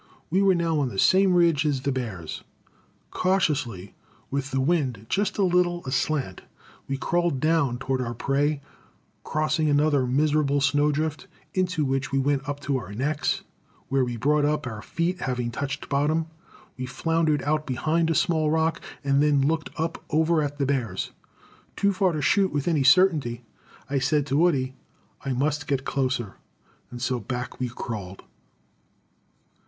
We were now on the same ridge as the bears. Cautiously, with the wind just a little aslant, we crawled down toward our prey, crossing another miserable snow drift, into which we went up to our necks, where we brought up, our feet having touched bottom. We floundered out behind a small rock, and then looked up over at the bears. Too far to shoot with any certainty, and I said to Woody, "I must get closer." And so back we crawled.